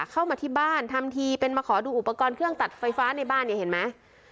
เข้ามาที่บ้านทำทีเป็นมาขอดูอุปกรณ์เครื่องตัดไฟฟ้าในบ้านเนี่ยเห็นไหม